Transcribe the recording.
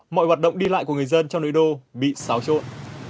mọi hoạt động đi lại của người dân trong nội đô bị xáo trộn